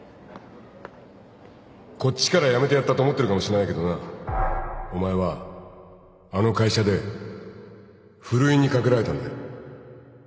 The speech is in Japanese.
こっちから辞めてやったと思ってるかもしれないけどなお前はあの会社でふるいにかけられたんだよ